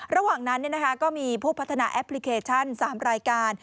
ระหว่างนั้นก็มีผู้พัฒนาแอปพลิเคชัน๓รายการ